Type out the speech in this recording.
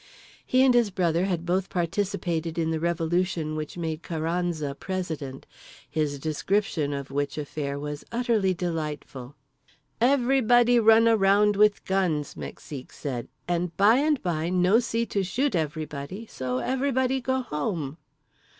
He and his brother had both participated in the revolution which made Carranza president. His description of which affair was utterly delightful. "Every body run a round with guns" Mexique said. "And bye and bye no see to shoot everybody, so everybody go home."